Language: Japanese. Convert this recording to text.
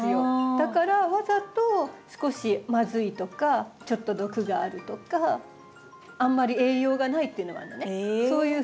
だからわざと少しまずいとかちょっと毒があるとかあんまり栄養がないっていうのもあるのね。